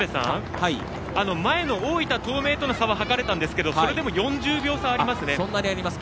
前の大分東明との差は測れたんですがそれでも４０秒差ありますね。